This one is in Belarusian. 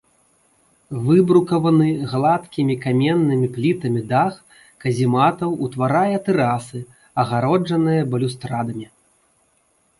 Выбрукаваны гладкімі каменнымі плітамі дах казематаў ўтварае тэрасы, агароджаныя балюстрадамі.